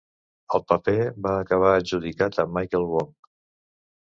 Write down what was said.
El paper va acabar adjudicat a Michael Wong.